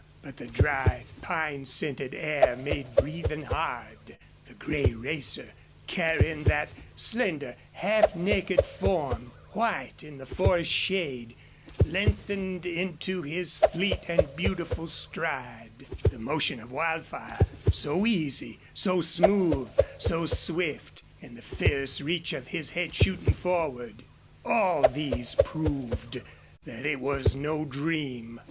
But the dry, pine scented air made breathing hard; the gray racer, carrying that slender, half naked form, white in the forest shade, lengthened into his fleet and beautiful stride; the motion of Wildfire, so easy, so smooth, so swift, and the fierce reach of his head shooting forward all these proved that it was no dream.